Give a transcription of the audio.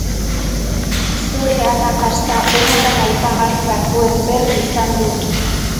Zure arrakasta benetan aipagarri batzuen berri izan dut.